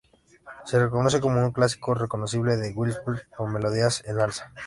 Se reconoce como un clásico reconocible por Westlife con melodías en alza.